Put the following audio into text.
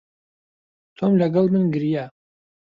تۆم لەگەڵ من گریا.